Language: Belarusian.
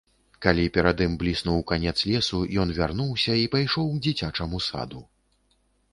Калі перад ім бліснуў канец лесу, ён вярнуўся і пайшоў к дзіцячаму саду.